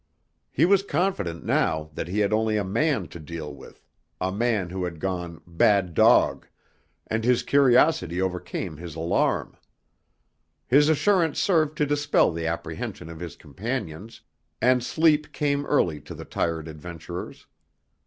He was confident now that he had only a man to deal with, a man who had gone "bad dog," and his curiosity overcame his alarm. His assurance served to dispel the apprehension of his companions, and sleep came early to the tired adventurers.